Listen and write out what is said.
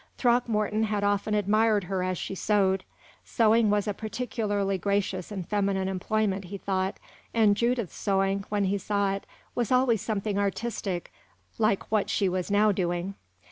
Throckmorton had often admired her as she sewed. Sewing was a peculiarly gracious and feminine employment, he thought, and Judith's sewing, when he saw it, was always something artistic like what she was now doing.